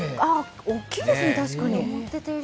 大きいですね、確かに。